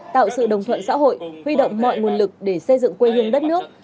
tạo sự đồng thuận xã hội huy động mọi nguồn lực để xây dựng quê hương đất nước